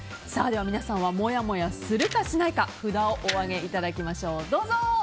では、皆さんはもやもやするかしないか札をお上げいただきましょう。